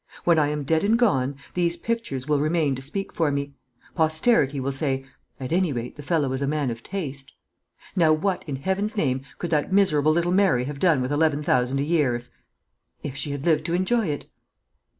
When I am dead and gone, these pictures will remain to speak for me; posterity will say, 'At any rate the fellow was a man of taste.' Now what, in Heaven's name, could that miserable little Mary have done with eleven thousand a year, if if she had lived to enjoy it?"